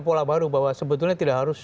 pola baru bahwa sebetulnya tidak harus